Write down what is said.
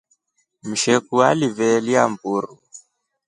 Msheku aliveelya mburu.